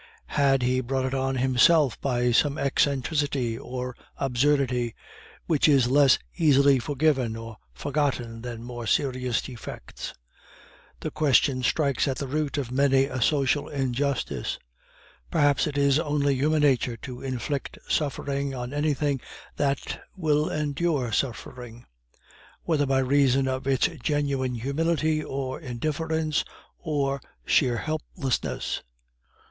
Had he brought it on himself by some eccentricity or absurdity, which is less easily forgiven or forgotten than more serious defects? The question strikes at the root of many a social injustice. Perhaps it is only human nature to inflict suffering on anything that will endure suffering, whether by reason of its genuine humility, or indifference, or sheer helplessness.